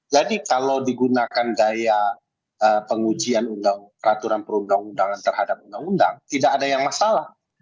jadi kalau digunakan daya pengujian peraturan perundang undangan terhadap undang undang tidak ada yang masalah